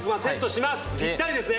ぴったりですね